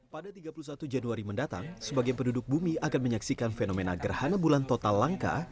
pada tiga puluh satu januari mendatang sebagian penduduk bumi akan menyaksikan fenomena gerhana bulan total langka